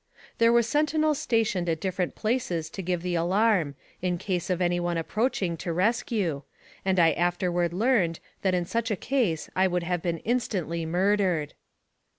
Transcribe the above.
There were sentinels stationed at different places to give the alarm, in case of any one approaching to rescue, and I afterward learned that in such a case I would have been instantly murdered.